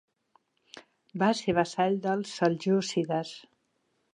Va ser vassall dels seljúcides.